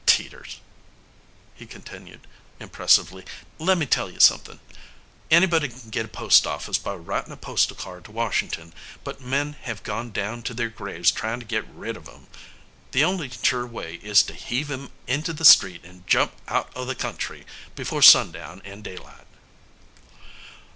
Teeters," he continued, impressively, "lemme tell you somethin': anybody can git a post office by writin' a postal card to Washington, but men have gone down to their graves tryin' to git rid of 'em. The only sure way is to heave 'em into the street and jump out o' the country between sundown and daylight.